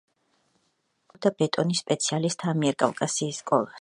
იგი ხელმძღვანელობდა ბეტონის სპეციალისტთა ამიერკავკასიის სკოლას.